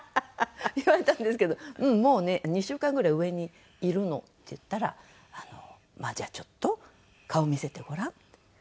言われたんですけど「もうね２週間ぐらい上にいるの」って言ったら「まあじゃあちょっと顔見せてごらん」って。